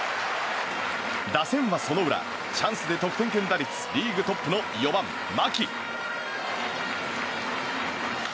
打線はその裏、チャンスで得点圏打率リーグトップの４番、牧。